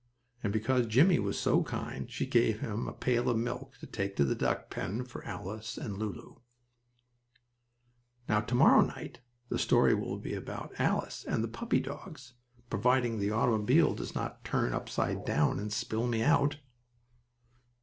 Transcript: And because Jimmie was so kind she gave him a pail of milk to take to the duck pen for Alice and Lulu. Now to morrow night the story will be about Alice and the puppy dogs, providing the automobile does not turn upside down and spill me out.